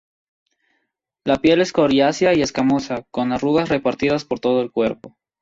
La piel es coriácea y escamosa, con arrugas repartidas por todo el cuerpo.